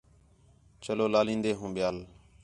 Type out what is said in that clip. چلو لالین٘دے ہوں ٻیال